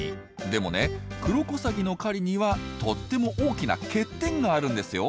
でもねクロコサギの狩りにはとっても大きな欠点があるんですよ。